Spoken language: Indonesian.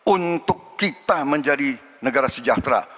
untuk kita menjadi negara sejahtera